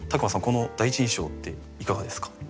この第一印象っていかがですか？